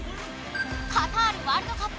カタールワールドカップ